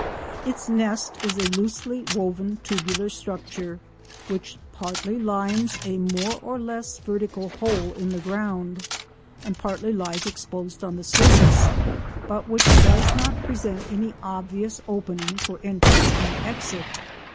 Its nest is a loosely woven tubular structure, which partly lines a more or less vertical hole in the ground and partly lies exposed on the surface, but which does not present any obvious opening for entrance and exit.